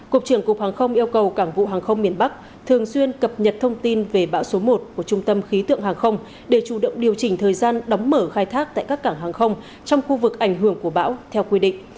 cục trưởng cục hàng không yêu cầu cảng vụ hàng không miền bắc thường xuyên cập nhật thông tin về bão số một của trung tâm khí tượng hàng không để chủ động điều chỉnh thời gian đóng mở khai thác tại các cảng hàng không trong khu vực ảnh hưởng của bão theo quy định